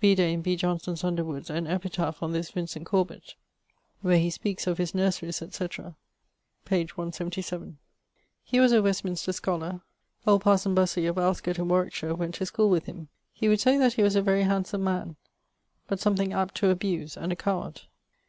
Vide in B. Johnson's Underwoods an epitaph on this Vincent Corbet, where he speakes of his nurseries etc., p. 177. He was a Westminster scholar; old parson Bussey, of Alscott in Warwickshire, went to schoole with him he would say that he was a very handsome man, but something apt to abuse, and a coward.